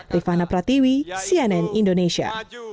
rifana pratiwi cnn indonesia